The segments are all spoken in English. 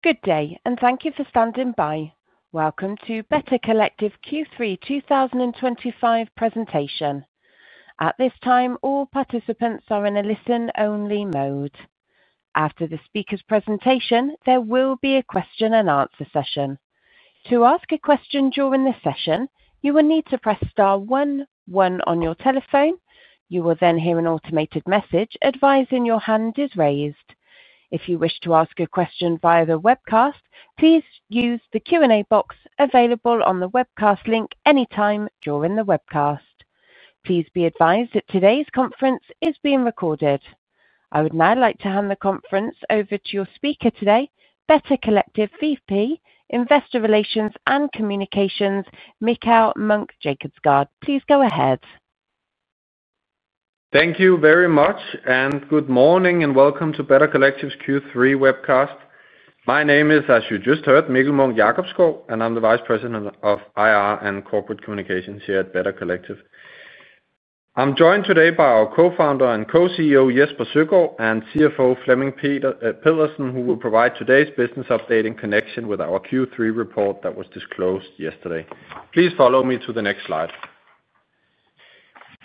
Good day, and thank you for standing by. Welcome to Better Collective Q3 2025 presentation. At this time, all participants are in a listen-only mode. After the speaker's presentation, there will be a question-and-answer session. To ask a question during this session, you will need to press star one, one on your telephone. You will then hear an automated message advising your hand is raised. If you wish to ask a question via the webcast, please use the Q&A box available on the webcast link anytime during the webcast. Please be advised that today's conference is being recorded. I would now like to hand the conference over to your speaker today, Better Collective VP, Investor Relations and Communications, Mikkel Munch-Jacobsgaard. Please go ahead. Thank you very much, and good morning, and welcome to Better Collective's Q3 webcast. My name is, as you just heard, Mikkel Munch-Jacobsgaard, and I'm the Vice President of IR and Corporate Communications here at Better Collective. I'm joined today by our co-founder and co-CEO, Jesper Søgaard, and CFO, Flemming Pedersen, who will provide today's business update in connection with our Q3 report that was disclosed yesterday. Please follow me to the next slide.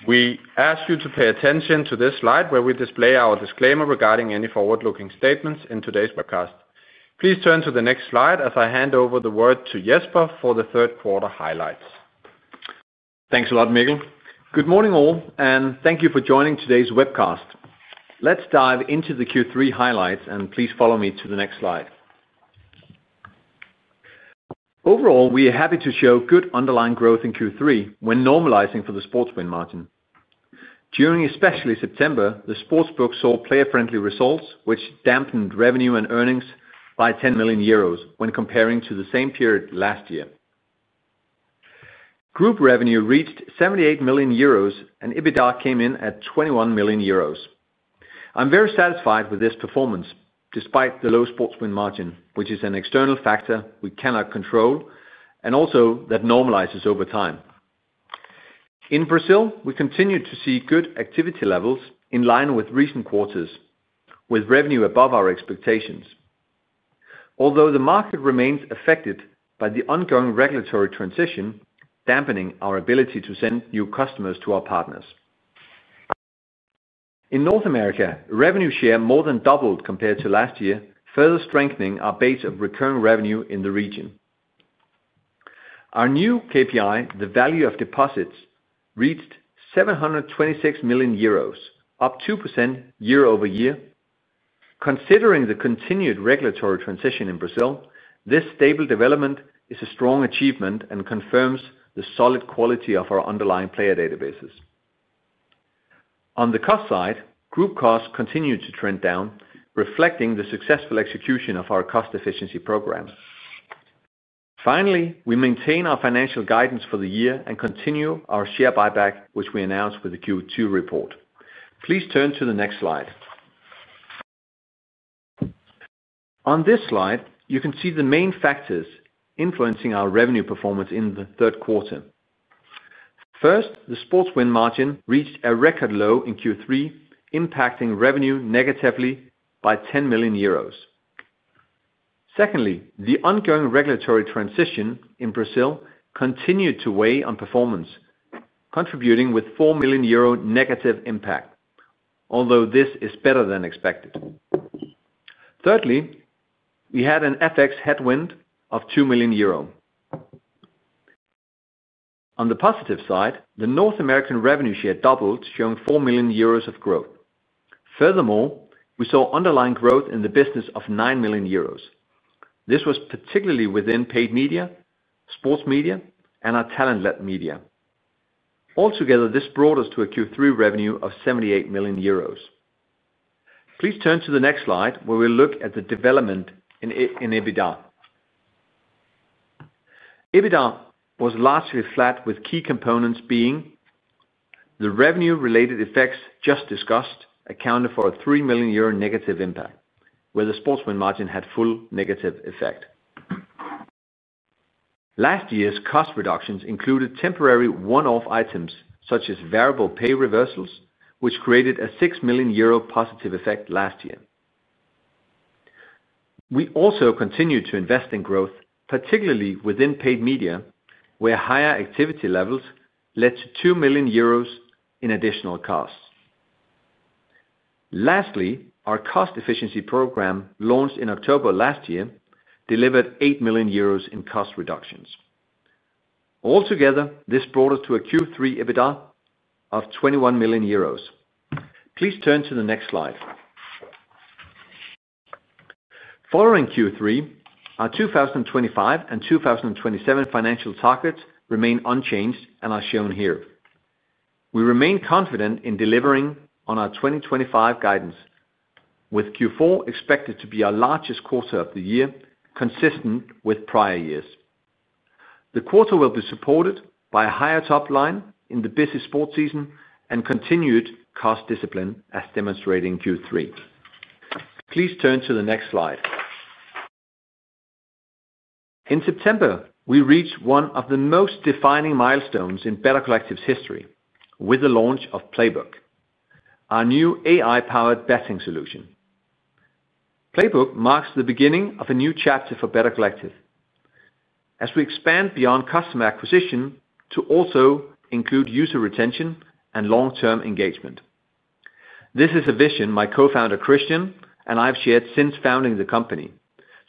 We ask you to pay attention to this slide where we display our disclaimer regarding any forward-looking statements in today's webcast. Please turn to the next slide as I hand over the word to Jesper for the third quarter highlights. Thanks a lot, Mikkel. Good morning, all, and thank you for joining today's webcast. Let's dive into the Q3 highlights, and please follow me to the next slide. Overall, we are happy to show good underlying growth in Q3 when normalizing for the sports win margin. During especially September, the sportsbook saw player-friendly results, which dampened revenue and earnings by 10 million euros when comparing to the same period last year. Group revenue reached 78 million euros, and EBITDA came in at 21 million euros. I'm very satisfied with this performance despite the low sports win margin, which is an external factor we cannot control and also that normalizes over time. In Brazil, we continue to see good activity levels in line with recent quarters, with revenue above our expectations. Although the market remains affected by the ongoing regulatory transition dampening our ability to send new customers to our partners. In North America, revenue share more than doubled compared to last year, further strengthening our base of recurring revenue in the region. Our new KPI, the value of deposits, reached 726 million euros, up 2% year-over-year. Considering the continued regulatory transition in Brazil, this stable development is a strong achievement and confirms the solid quality of our underlying player databases. On the cost side, group costs continue to trend down, reflecting the successful execution of our cost efficiency program. Finally, we maintain our financial guidance for the year and continue our share buyback, which we announced with the Q2 report. Please turn to the next slide. On this slide, you can see the main factors influencing our revenue performance in the third quarter. sports win margin reached a record low in Q3, impacting revenue negatively by 10 million euros. Secondly, the ongoing regulatory transition in Brazil continued to weigh on performance, contributing with 4 million euro negative impact, although this is better than expected. Thirdly, we had an FX headwind of 2 million euro. On the positive side, the North American revenue share doubled, showing 4 million euros of growth. Furthermore, we saw underlying growth in the business of 9 million euros. This was particularly within paid media, sports media, and our talent-led media. Altogether, this brought us to a Q3 revenue of 78 million euros. Please turn to the next slide where we look at the development in EBITDA. EBITDA was largely flat, with key components being the revenue-related effects just discussed accounted for a 3 million euro negative impact, sports win margin had full negative effect. Last year's cost reductions included temporary one-off items such as variable pay reversals, which created a 6 million euro positive effect last year. We also continued to invest in growth, particularly within paid media, where higher activity levels led to 2 million euros in additional costs. Lastly, our cost efficiency program launched in October last year delivered 8 million euros in cost reductions. Altogether, this brought us to a Q3 EBITDA of 21 million euros. Please turn to the next slide. Following Q3, our 2025 and 2027 financial targets remain unchanged and are shown here. We remain confident in delivering on our 2025 guidance, with Q4 expected to be our largest quarter of the year, consistent with prior years. The quarter will be supported by a higher top line in the busy sports season and continued cost discipline, as demonstrated in Q3. Please turn to the next slide. In September, we reached one of the most defining milestones in Better Collective's history with the launch of Playbook, our new AI-powered betting solution. Playbook marks the beginning of a new chapter for Better Collective as we expand beyond customer acquisition to also include user retention and long-term engagement. This is a vision my co-founder, Christian, and I've shared since founding the company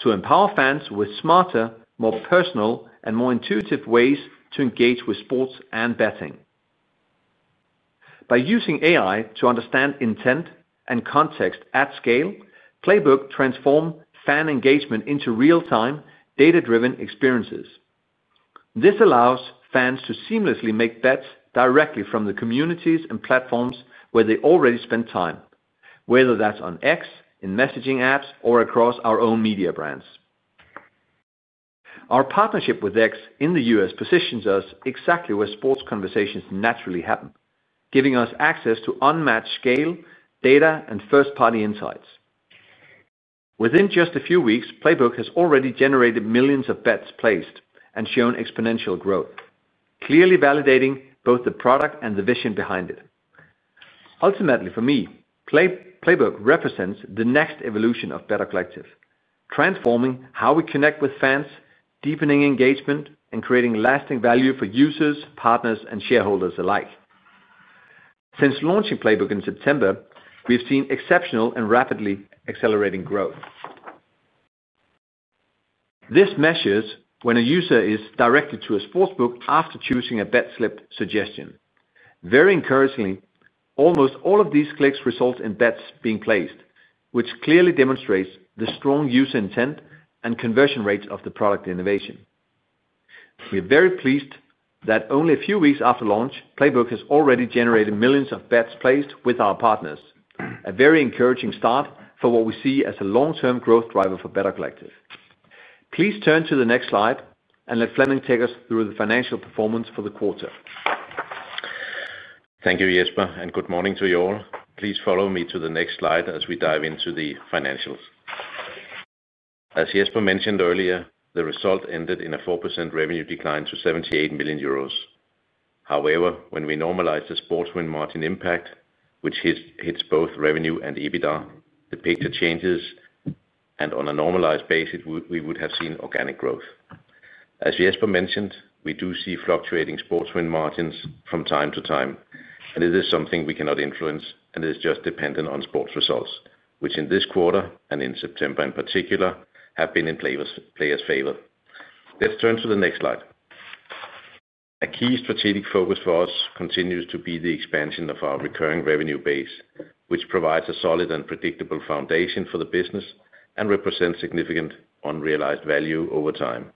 to empower fans with smarter, more personal, and more intuitive ways to engage with sports and betting. By using AI to understand intent and context at scale, Playbook transforms fan engagement into real-time, data-driven experiences. This allows fans to seamlessly make bets directly from the communities and platforms where they already spend time, whether that's on X, in messaging apps, or across our own media brands. Our partnership with X in the U.S. positions us exactly where sports conversations naturally happen, giving us access to unmatched scale, data, and first-party insights. Within just a few weeks, Playbook has already generated millions of bets placed and shown exponential growth, clearly validating both the product and the vision behind it. Ultimately, for me, Playbook represents the next evolution of Better Collective, transforming how we connect with fans, deepening engagement, and creating lasting value for users, partners, and shareholders alike. Since launching Playbook in September, we've seen exceptional and rapidly accelerating growth. This measures when a user is directed to a sportsbook after choosing a bet slip suggestion. Very encouragingly, almost all of these clicks result in bets being placed, which clearly demonstrates the strong user intent and conversion rates of the product innovation. We're very pleased that only a few weeks after launch, Playbook has already generated millions of bets placed with our partners, a very encouraging start for what we see as a long-term growth driver for Better Collective. Please turn to the next slide and let Flemming take us through the financial performance for the quarter. Thank you, Jesper, and good morning to you all. Please follow me to the next slide as we dive into the financials. As Jesper mentioned earlier, the result ended in a 4% revenue decline to 78 million euros. However, when we sports win margin impact, which hits both revenue and EBITDA, the picture changes, and on a normalized basis, we would have seen organic growth. As Jesper mentioned, we do sports win margins from time to time, and it is something we cannot influence, and it is just dependent on sports results, which in this quarter and in September in particular have been in players' favor. Let's turn to the next slide. A key strategic focus for us continues to be the expansion of our recurring revenue base, which provides a solid and predictable foundation for the business and represents significant unrealized value over time.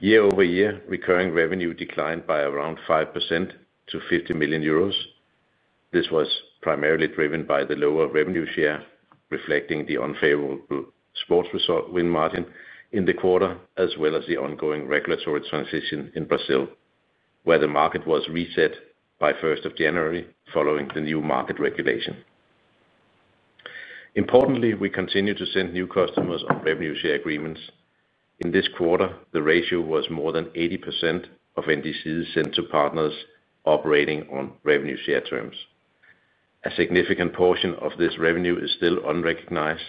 Year over year, recurring revenue declined by around 5% to 50 million euros. This was primarily driven by the lower revenue share, reflecting sports win margin in the quarter, as well as the ongoing regulatory transition in Brazil, where the market was reset by 1st of January following the new market regulation. Importantly, we continue to send new customers on revenue share agreements. In this quarter, the ratio was more than 80% of NDCs sent to partners operating on revenue share terms. A significant portion of this revenue is still unrecognized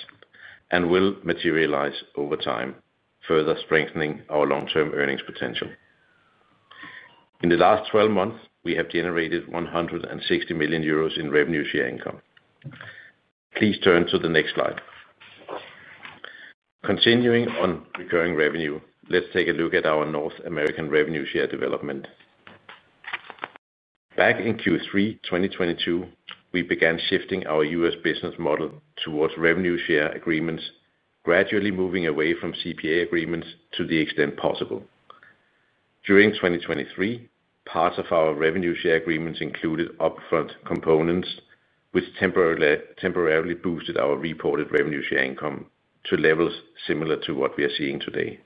and will materialize over time, further strengthening our long-term earnings potential. In the last 12 months, we have generated 160 million euros in revenue share income. Please turn to the next slide. Continuing on recurring revenue, let's take a look at our North American revenue share development. Back in Q3 2022, we began shifting our U.S. business model towards revenue share agreements, gradually moving away from CPA agreements to the extent possible. During 2023, parts of our revenue share agreements included upfront components, which temporarily boosted our reported revenue share income to levels similar to what we are seeing today.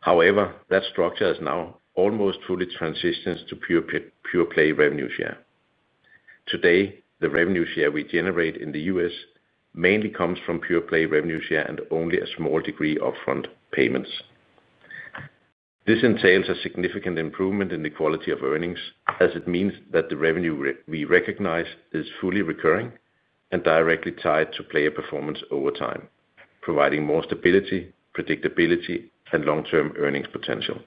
However, that structure is now almost fully transitioned to pure play revenue share. Today, the revenue share we generate in the U.S. mainly comes from pure play revenue share and only a small degree of upfront payments. This entails a significant improvement in the quality of earnings, as it means that the revenue we recognize is fully recurring and directly tied to player performance over time, providing more stability, predictability, and long-term earnings potential.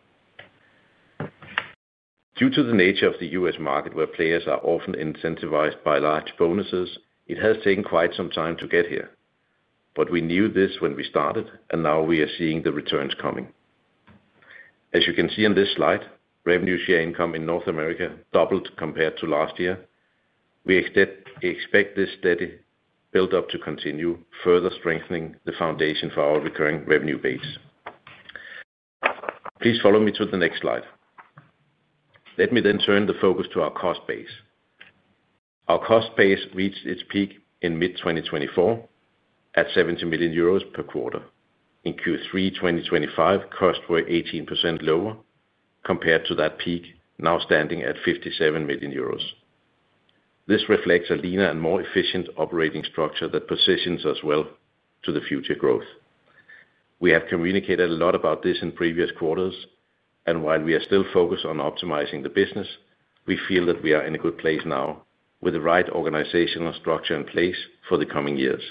Due to the nature of the U.S. market, where players are often incentivized by large bonuses, it has taken quite some time to get here. But we knew this when we started, and now we are seeing the returns coming. As you can see on this slide, revenue share income in North America doubled compared to last year. We expect this steady build-up to continue, further strengthening the foundation for our recurring revenue base. Please follow me to the next slide. Let me then turn the focus to our cost base. Our cost base reached its peak in mid-2024 at 70 million euros per quarter. In Q3 2025, costs were 18% lower compared to that peak, now standing at 57 million euros. This reflects a leaner and more efficient operating structure that positions us well to the future growth. We have communicated a lot about this in previous quarters, and while we are still focused on optimizing the business, we feel that we are in a good place now with the right organizational structure in place for the coming years.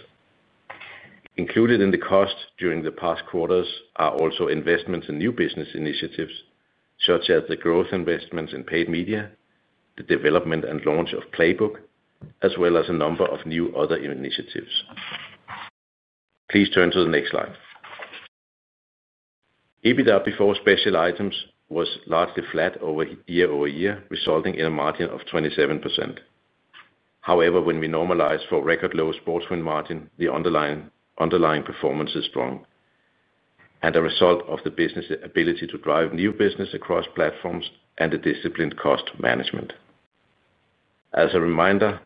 Included in the cost during the past quarters are also investments in new business initiatives, such as the growth investments in paid media, the development and launch of Playbook, as well as a number of new other initiatives. Please turn to the next slide. EBITDA before special items was largely flat year-over-year, resulting in a margin of 27%. However, when we normalize for sports win margin, the underlying performance is strong and a result of the business's ability to drive new business across platforms and a disciplined cost management. As a reminder,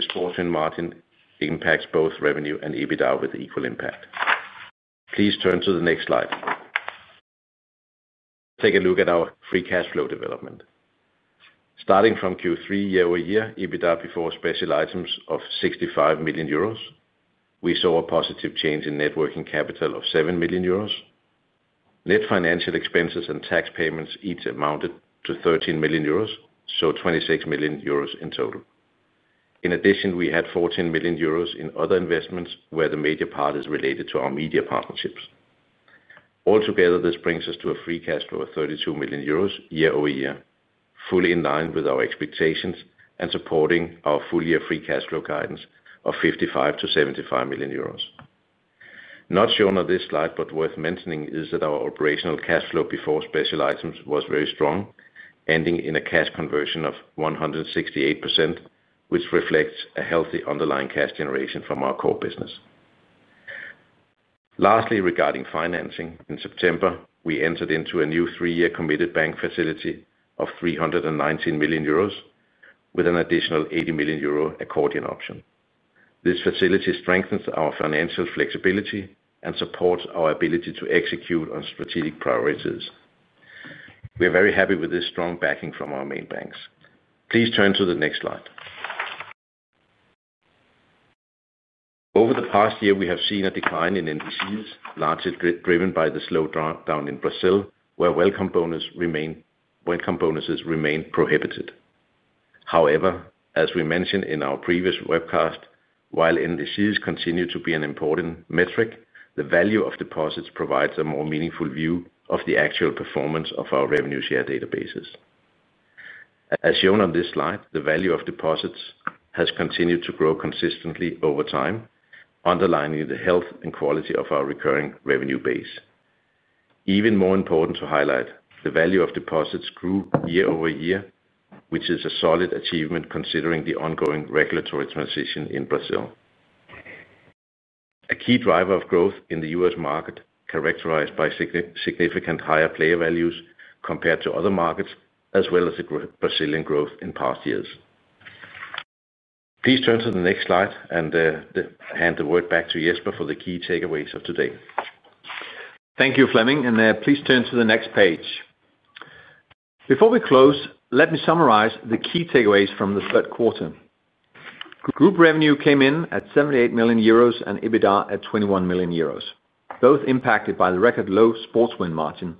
sports win margin impacts both revenue and EBITDA with equal impact. Please turn to the next slide. Let's take a look free cash flow development. Starting from Q3 year-over-year, EBITDA before special items of 65 million euros. We saw a positive change in networking capital of 7 million euros. Net financial expenses and tax payments each amounted to 13 million euros, so 26 million euros in total. In addition, we had 14 million euros in other investments, where the major part is related to our media partnerships. Altogether, this brings us free cash flow of 32 million euros year-over-year, fully in line with our expectations and supporting free cash flow guidance of 55-75 million euros. Not shown on this slide, but worth mentioning is that our operational cash flow before special items was very strong, ending in a cash conversion of 168%, which reflects a healthy underlying cash generation from our core business. Lastly, regarding financing, in September, we entered into a new three-year committed bank facility of 319 million euros with an additional 80 million euro accordion option. This facility strengthens our financial flexibility and supports our ability to execute on strategic priorities. We are very happy with this strong backing from our main banks. Please turn to the next slide. Over the past year, we have seen a decline in NDCs, largely driven by the slow drawdown in Brazil, where welcome bonuses remain prohibited. However, as we mentioned in our previous webcast, while NDCs continue to be an important metric, the value of deposits provides a more meaningful view of the actual performance of our revenue share databases. As shown on this slide, the value of deposits has continued to grow consistently over time, underlining the health and quality of our recurring revenue base. Even more important to highlight, the value of deposits grew year-over-year, which is a solid achievement considering the ongoing regulatory transition in Brazil. A key driver of growth in the U.S. market, characterized by significantly higher player values compared to other markets, as well as the Brazilian growth in past years. Please turn to the next slide and hand the word back to Jesper for the key takeaways of today. Thank you, Flemming, and please turn to the next page. Before we close, let me summarize the key takeaways from the third quarter. Group revenue came in at 78 million euros and EBITDA at 21 million euros, both impacted by the sports win margin.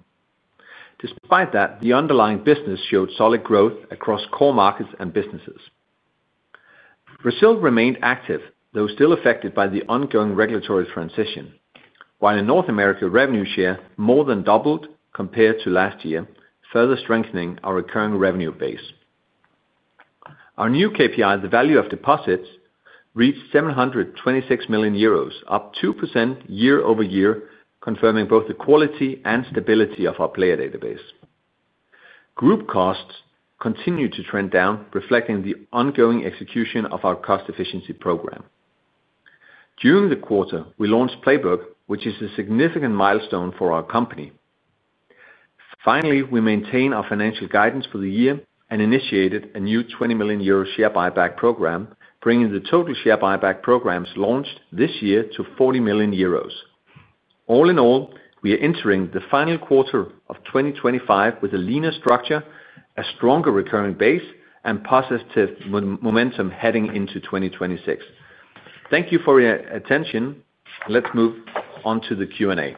Despite that, the underlying business showed solid growth across core markets and businesses. Brazil remained active, though still affected by the ongoing regulatory transition, while in North America, revenue share more than doubled compared to last year, further strengthening our recurring revenue base. Our new KPI, the value of deposits, reached 726 million euros, up 2% year-over-year, confirming both the quality and stability of our player database. Group costs continued to trend down, reflecting the ongoing execution of our cost efficiency program. During the quarter, we launched Playbook, which is a significant milestone for our company. Finally, we maintained our financial guidance for the year and initiated a new 20 million euro share buyback program, bringing the total share buyback programs launched this year to 40 million euros. All in all, we are entering the final quarter of 2025 with a leaner structure, a stronger recurring base, and positive momentum heading into 2026. Thank you for your attention. Let's move on to the Q&A.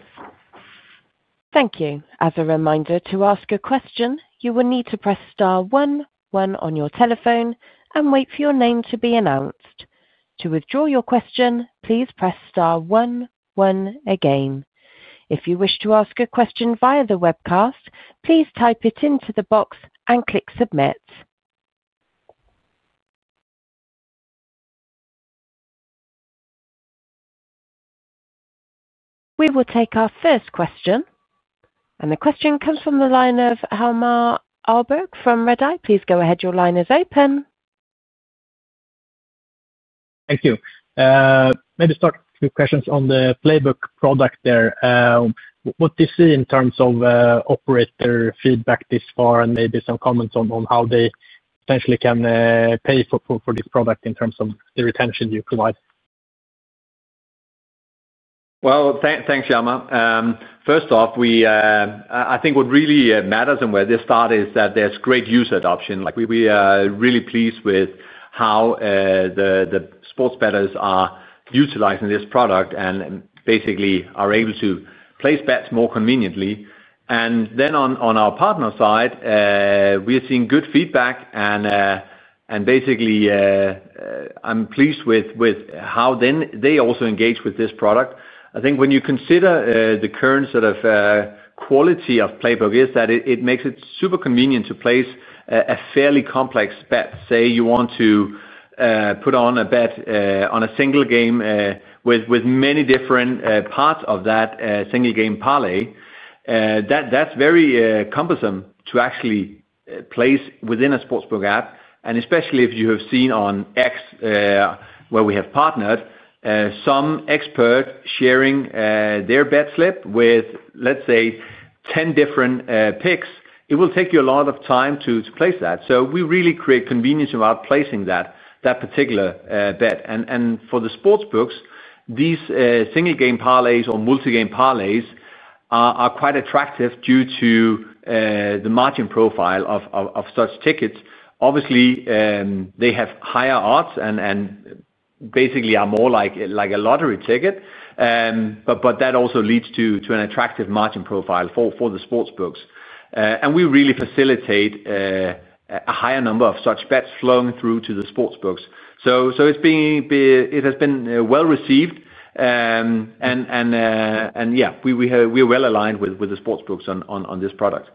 Thank you. As a reminder, to ask a question, you will need to press star 1, 1 on your telephone, and wait for your name to be announced. To withdraw your question, please press star 1, 1 again. If you wish to ask a question via the webcast, please type it into the box and click submit. We will take our first question, and the question comes from the line of Hilmar Aalborg from REDI. Please go ahead. Your line is open. Thank you. Maybe start a few questions on the Playbook product there. What do you see in terms of operator feedback this far, and maybe some comments on how they potentially can pay for this product in terms of the retention you provide? Thanks, Hilmar. First off, I think what really matters and where this starts is that there's great user adoption. We are really pleased with how the sports bettors are utilizing this product and basically are able to place bets more conveniently. Then on our partner side, we are seeing good feedback, and basically, I'm pleased with how they also engage with this product. I think when you consider the current sort of quality of Playbook, it makes it super convenient to place a fairly complex bet. Say you want to put on a bet on a single game with many different parts of that single game parlay, that's very cumbersome to actually place within a sportsbook app, and especially if you have seen on X, where we have partnered, some expert sharing their bet slip with, let's say, 10 different picks. It will take you a lot of time to place that. We really create convenience about placing that particular bet. For the sports books, these single game parlays or multi-game parlays are quite attractive due to the margin profile of such tickets. Obviously, they have higher odds and basically are more like a lottery ticket, but that also leads to an attractive margin profile for the sports books. We really facilitate a higher number of such bets flowing through to the sports books. It has been well received, and yeah, we are well aligned with the sports books on this product.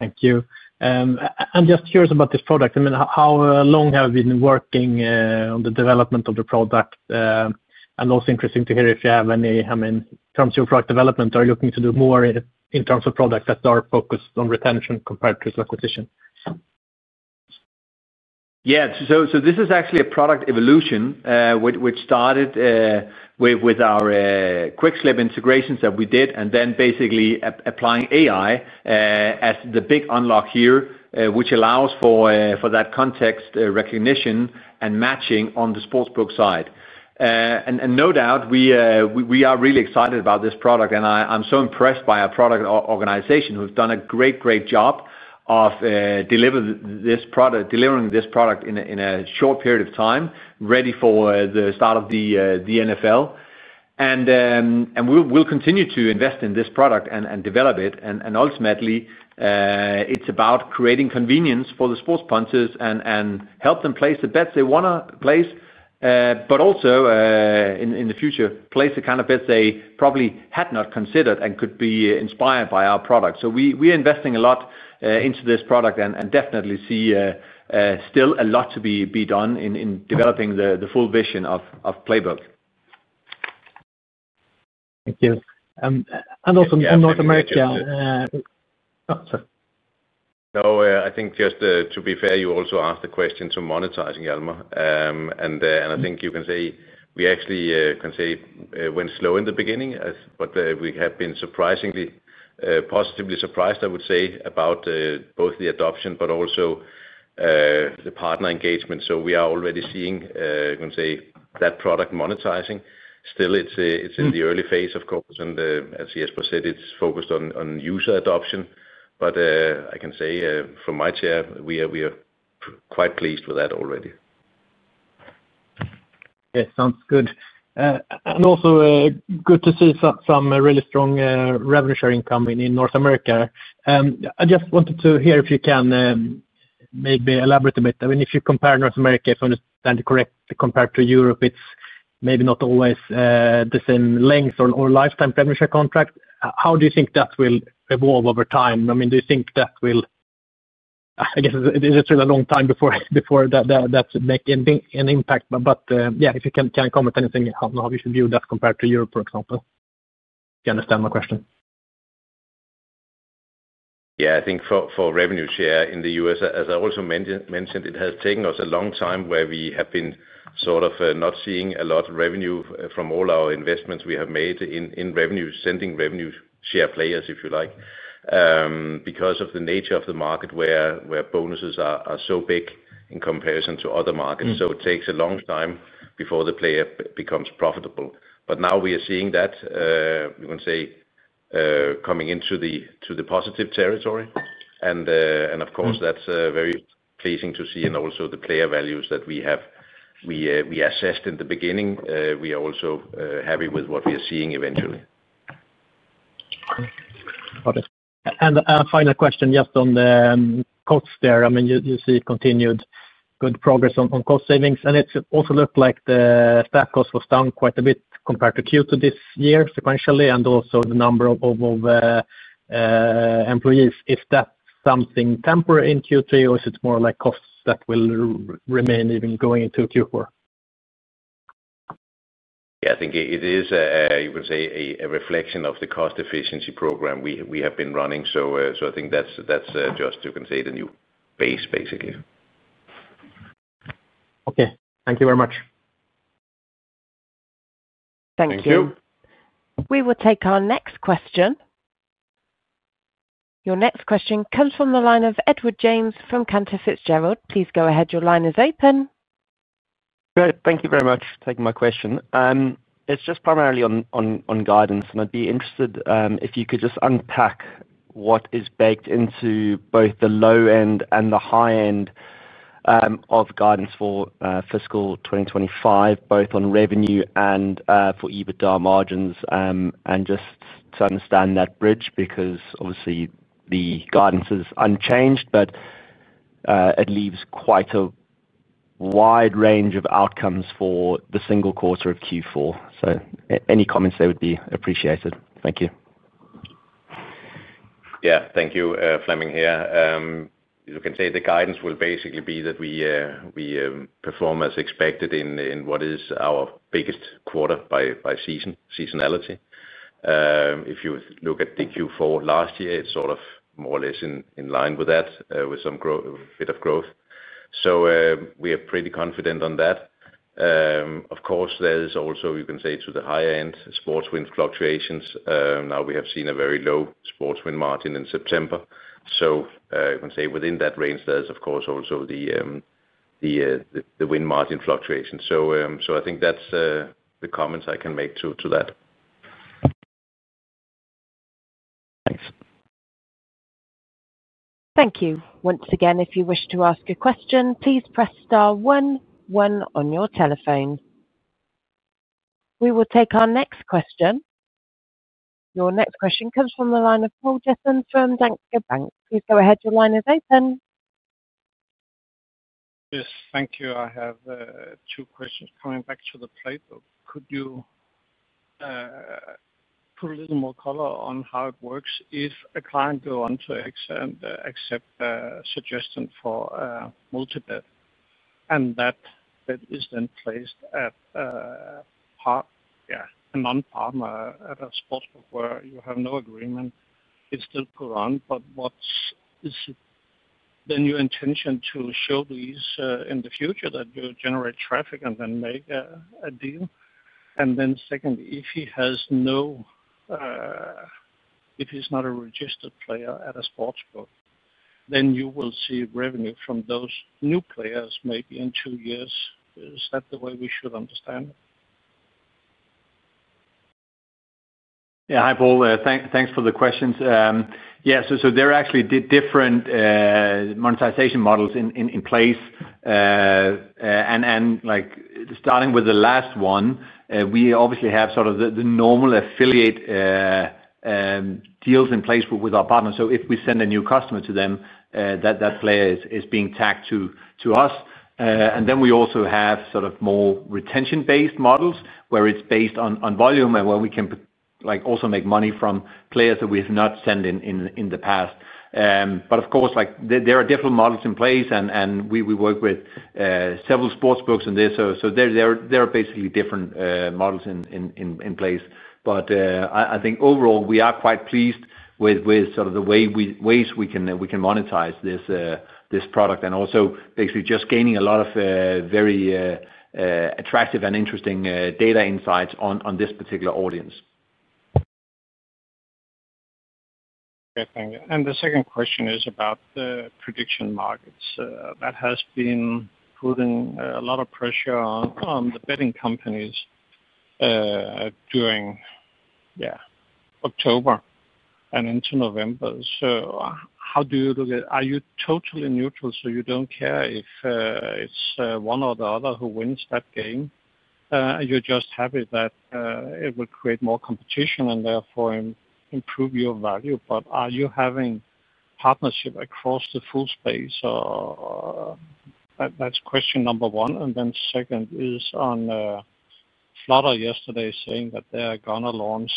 Thank you. I'm just curious about this product. I mean, how long have you been working on the development of the product? Also, interesting to hear if you have any, in terms of your product development, are you looking to do more in terms of products that are focused on retention compared to acquisition? Yeah. This is actually a product evolution, which started with our quick slip integrations that we did, and then basically applying AI as the big unlock here, which allows for that context recognition and matching on the sports book side. No doubt, we are really excited about this product, and I'm so impressed by our product organization, who have done a great, great job of delivering this product in a short period of time, ready for the start of the NFL. We will continue to invest in this product and develop it. Ultimately, it's about creating convenience for the sports punters and help them place the bets they want to place, but also in the future, place the kind of bets they probably had not considered and could be inspired by our product. We are investing a lot into this product and definitely see still a lot to be done in developing the full vision of Playbook. Thank you. Also in North America. No, I think just to be fair, you also asked the question to monetizing, Hilmar. I think you can say we actually went slow in the beginning, but we have been surprisingly positively surprised, I would say, about both the adoption, but also the partner engagement. We are already seeing, I can say, that product monetizing. Still, it's in the early phase, of course, and as Jesper said, it's focused on user adoption. I can say from my chair, we are quite pleased with that already. Yeah, sounds good. Also good to see some really strong revenue sharing coming in North America. I just wanted to hear if you can maybe elaborate a bit. I mean, if you compare North America, if I understand correctly, compared to Europe, it's maybe not always the same length or lifetime revenue share contract. How do you think that will evolve over time? I mean, do you think that will, I guess, it's really a long time before that makes any impact. Yeah, if you can comment on anything, how you should view that compared to Europe, for example, if you understand my question. Yeah, I think for revenue share in the US, as I also mentioned, it has taken us a long time where we have been sort of not seeing a lot of revenue from all our investments we have made in revenue, sending revenue share players, if you like, because of the nature of the market where bonuses are so big in comparison to other markets. It takes a long time before the player becomes profitable. Now we are seeing that, you can say, coming into the positive territory. Of course, that's very pleasing to see, and also the player values that we assessed in the beginning, we are also happy with what we are seeing eventually. Got it. A final question, just on the costs there. I mean, you see continued good progress on cost savings, and it also looked like the staff cost was down quite a bit compared to Q2 this year sequentially, and also the number of employees. Is that something temporary in Q3, or is it more like costs that will remain even going into Q4? Yeah, I think it is, you can say, a reflection of the cost efficiency program we have been running. I think that's just, you can say, the new base, basically. Okay. Thank you very much. Thank you. Thank you. We will take our next question. Your next question comes from the line of Edward James from Cantor Fitzgerald. Please go ahead. Your line is open. Great. Thank you very much for taking my question. It's just primarily on guidance, and I'd be interested if you could just unpack what is baked into both the low end and the high end of guidance for fiscal 2025, both on revenue and for EBITDA margins, and just to understand that bridge, because obviously the guidance is unchanged, but it leaves quite a wide range of outcomes for the single quarter of Q4. Any comments there would be appreciated. Thank you. Yeah, thank you, Flemming here. You can say the guidance will basically be that we perform as expected in what is our biggest quarter by seasonality. If you look at the Q4 last year, it is sort of more or less in line with that, with some bit of growth. We are pretty confident on that. Of course, there is also, you can say, to the higher end, sports win fluctuations. Now we have seen a sports win margin in September. You can say within that range, there is, of course, also the win margin fluctuation. I think that is the comments I can make to that. Thanks. Thank you. Once again, if you wish to ask a question, please press star 1, 1 on your telephone. We will take our next question. Your next question comes from the line of Paul Jessen from Danske Bank. Please go ahead. Your line is open. Yes, thank you. I have two questions coming back to the plate. Could you put a little more color on how it works if a client goes on to X and accept a suggestion for a multi-bet, and that bet is then placed at a non-partner at a sports book where you have no agreement? It is still put on, but what is then your intention to show these in the future that you generate traffic and then make a deal? Secondly, if he has no, if he is not a registered player at a sports book, then you will see revenue from those new players maybe in two years. Is that the way we should understand it? Yeah. Hi, Paul. Thanks for the questions. Yeah, there are actually different monetization models in place. Starting with the last one, we obviously have sort of the normal affiliate deals in place with our partners. If we send a new customer to them, that player is being tagged to us. We also have more retention-based models where it is based on volume and where we can also make money from players that we have not sent in the past. Of course, there are different models in place, and we work with several sportsbooks in there. There are basically different models in place. I think overall, we are quite pleased with the ways we can monetize this product and also basically just gaining a lot of very attractive and interesting data insights on this particular audience. Okay. The second question is about the Prediction Markets. That has been putting a lot of pressure on the betting companies during, yeah, October and into November. How do you look at are you totally neutral, so you do not care if it is one or the other who wins that game? You are just happy that it would create more competition and therefore improve your value. Are you having partnership across the full space? That is question number one. The second is on Flutter yesterday saying that they are going to launch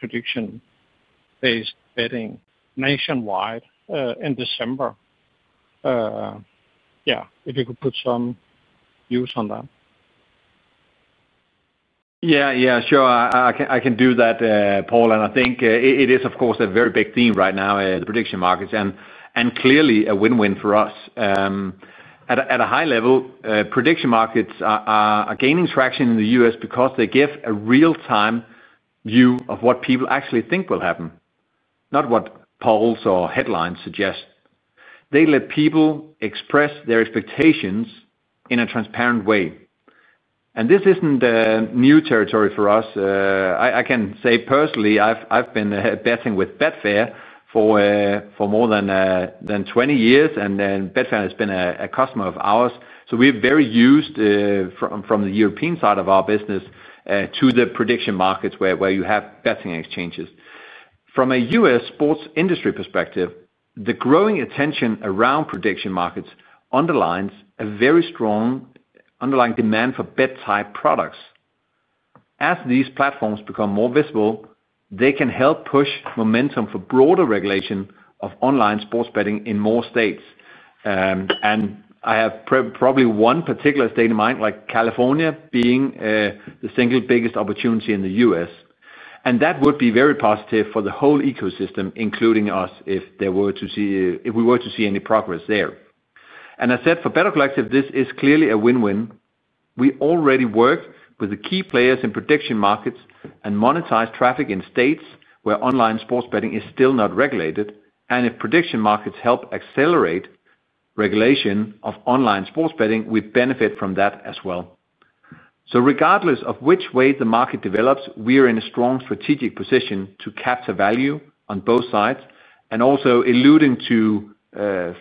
prediction-based betting nationwide in December. If you could put some views on that. Yeah, yeah, sure. I can do that, Paul. I think it is, of course, a very big theme right now, the Prediction Markets, and clearly a win-win for us. At a high level, Prediction Markets are gaining traction in the U.S. because they give a real-time view of what people actually think will happen, not what polls or headlines suggest. They let people express their expectations in a transparent way. This is not new territory for us. I can say personally, I have been betting with Betfair for more than 20 years, and Betfair has been a customer of ours. We are very used from the European side of our business to the Prediction Markets where you have betting exchanges. From a U.S. sports industry perspective, the growing attention around Prediction Markets underlines a very strong underlying demand for bet-type products. As these platforms become more visible, they can help push momentum for broader regulation of online sports betting in more states. I have probably one particular state in mind, like California, being the single biggest opportunity in the U.S. That would be very positive for the whole ecosystem, including us, if we were to see any progress there. As said for Better Collective, this is clearly a win-win. We already work with the key players in Prediction Markets and monetize traffic in states where online sports betting is still not regulated. If Prediction Markets help accelerate regulation of online sports betting, we benefit from that as well. Regardless of which way the market develops, we are in a strong strategic position to capture value on both sides. Also, alluding to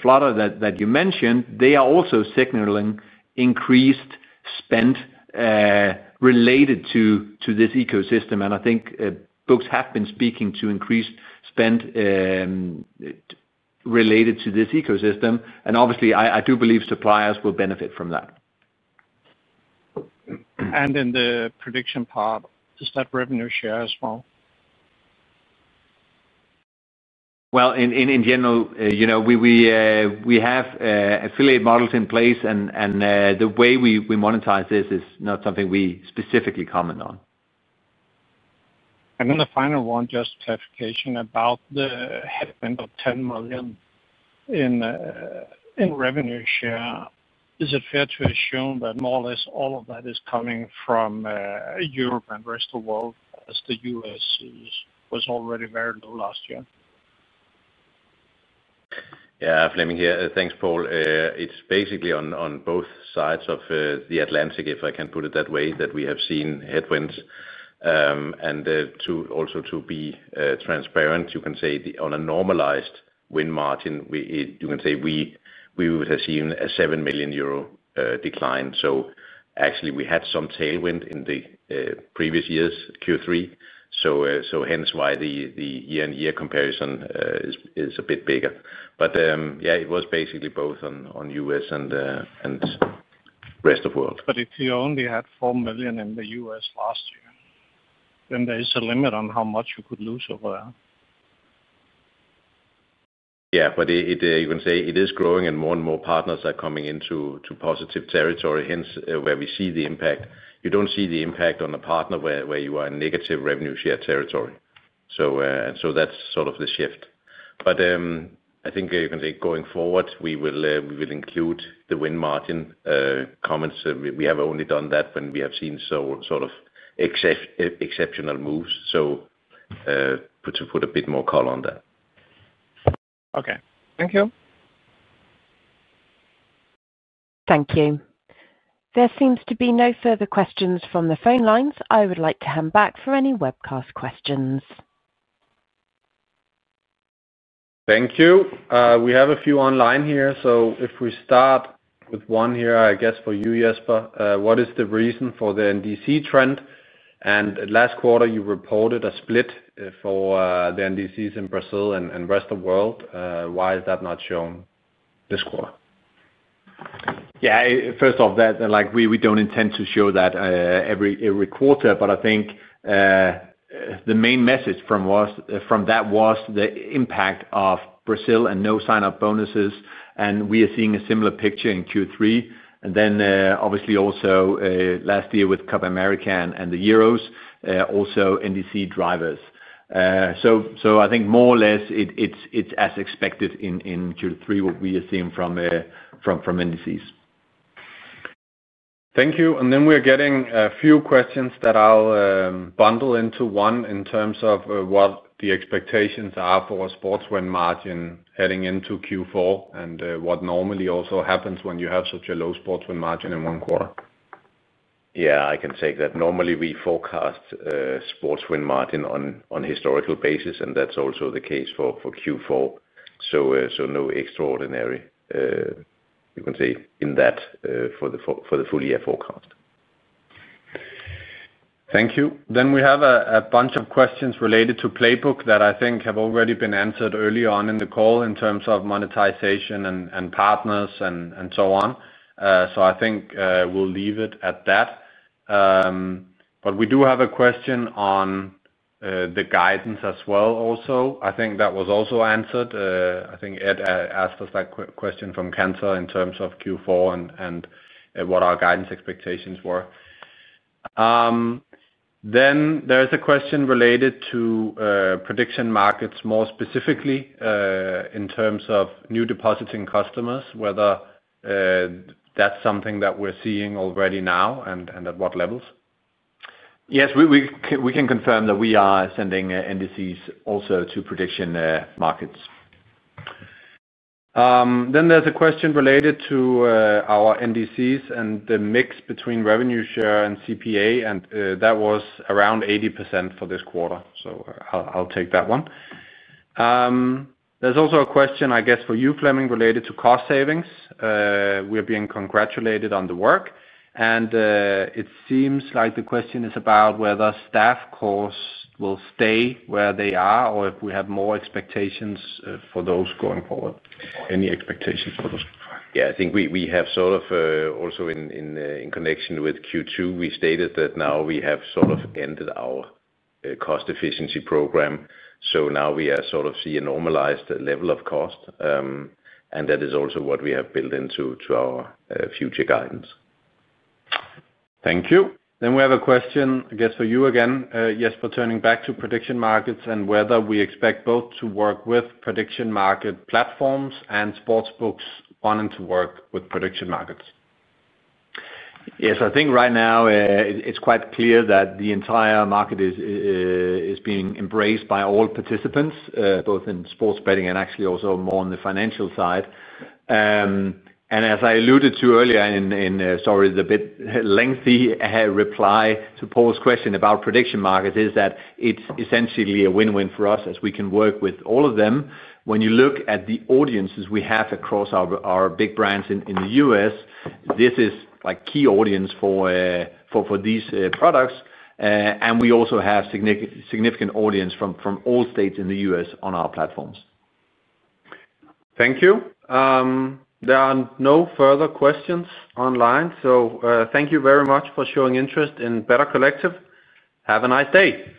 Flutter that you mentioned, they are also signaling increased spend related to this ecosystem. I think books have been speaking to increased spend related to this ecosystem. Obviously, I do believe suppliers will benefit from that. In the prediction part, is that revenue share as well? In general, we have affiliate models in place, and the way we monetize this is not something we specifically comment on. The final one, just clarification about the headband of €10 million in revenue share. Is it fair to assume that more or less all of that is coming from Europe and the rest of the world, as the U.S. was already very low last year? Yeah, Flemming here. Thanks, Paul. It's basically on both sides of the Atlantic, if I can put it that way, that we have seen headwinds. And also to be transparent, you can say on a normalized win margin, you can say we would have seen a 7 million euro decline. So actually, we had some tailwind in the previous years, Q3. So hence why the year-on-year comparison is a bit bigger. Yeah, it was basically both on U.S. and rest of the world. If you only had $4 million in the U.S. last year, then there is a limit on how much you could lose over there. Yeah, but you can say it is growing and more and more partners are coming into positive territory, hence where we see the impact. You do not see the impact on a partner where you are in negative revenue share territory. That is sort of the shift. I think you can say going forward, we will include the win margin comments. We have only done that when we have seen sort of exceptional moves, to put a bit more color on that. Okay. Thank you. Thank you. There seems to be no further questions from the phone lines. I would like to hand back for any webcast questions. Thank you. We have a few online here. If we start with one here, I guess for you, Jesper, what is the reason for the NDC trend? Last quarter, you reported a split for the NDCs in Brazil and the rest of the world. Why is that not shown this quarter? Yeah, first off, we do not intend to show that every quarter, but I think the main message from that was the impact of Brazil and no sign-up bonuses. We are seeing a similar picture in Q3. Obviously, also last year with Copa America and the Euros, also NDC drivers. I think more or less it is as expected in Q3 what we are seeing from NDCs. Thank you. We're getting a few questions that I'll bundle into one in terms of what the expectations sports win margin heading into Q4 and what normally also happens when you have such sports win margin in one quarter. Yeah, I can take that. Normally, sports win margin on historical basis, and that's also the case for Q4. So no extraordinary, you can say, in that for the full year forecast. Thank you. We have a bunch of questions related to Playbook that I think have already been answered early on in the call in terms of monetization and partners and so on. I think we'll leave it at that. We do have a question on the guidance as well also. I think that was also answered. I think Ed asked us that question from Cantor Fitzgerald in terms of Q4 and what our guidance expectations were. There is a question related to Prediction Markets more specifically in terms of new depositing customers, whether that's something that we're seeing already now and at what levels. Yes, we can confirm that we are sending NDCs also to Prediction Markets. There is a question related to our NDCs and the mix between revenue share and CPA, and that was around 80% for this quarter. I will take that one. There is also a question, I guess, for you, Flemming, related to cost savings. We are being congratulated on the work. It seems like the question is about whether staff costs will stay where they are or if we have more expectations for those going forward. Or any expectations for those going forward? Yeah, I think we have sort of also in connection with Q2, we stated that now we have sort of ended our cost efficiency program. So now we sort of see a normalized level of cost. And that is also what we have built into our future guidance. Thank you. We have a question, I guess, for you again, Jesper, turning back to Prediction Markets and whether we expect both to work with prediction market platforms and sports books on. To work with Prediction Markets? Yes, I think right now it's quite clear that the entire market is being embraced by all participants, both in sports betting and actually also more on the financial side. As I alluded to earlier in, sorry, the bit lengthy reply to Paul's question about Prediction Markets, it's essentially a win-win for us as we can work with all of them. When you look at the audiences we have across our big brands in the US, this is a key audience for these products. We also have significant audience from all states in the U.S. on our platforms. Thank you. There are no further questions online. Thank you very much for showing interest in Better Collective. Have a nice day.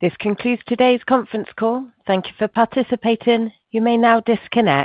This concludes today's conference call. Thank you for participating. You may now disconnect.